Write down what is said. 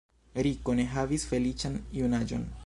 Rico ne havis feliĉan junaĝon.